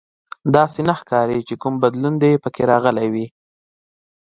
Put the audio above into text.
داسې نه ښکاري چې کوم بدلون دې پکې راغلی وي